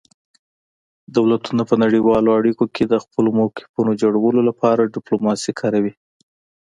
دولتونه په نړیوالو اړیکو کې د خپلو موقفونو جوړولو لپاره ډیپلوماسي کاروي